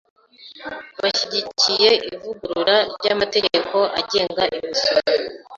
Bashyigikiye ivugurura ry’amategeko agenga imisoro.